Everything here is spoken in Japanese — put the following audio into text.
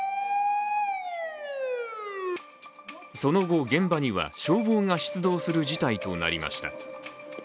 その後、現場には消防が出動する事態となりました。